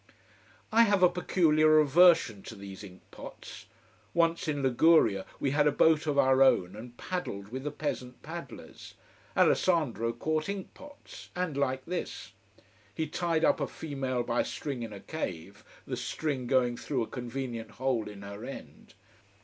I have a peculiar aversion to these ink pots. Once in Liguria we had a boat of our own and paddled with the peasant paddlers. Alessandro caught ink pots: and like this. He tied up a female by a string in a cave the string going through a convenient hole in her end.